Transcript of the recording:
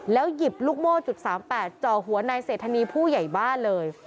แล้วหยิบลูกโม่๓๘จ่อหัวนายเศรษฐณีย์ผู้ใหญ่บ้านเลย